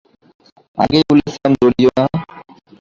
আগেই বলেছিলাম, দৌড়িও না।